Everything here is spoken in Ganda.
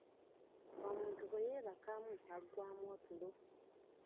Omuntu bwe yeebakamu aggwamu otulo.